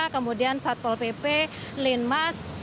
kemudian satpol pp linmas